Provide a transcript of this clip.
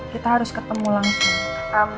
kita harus ketemu langsung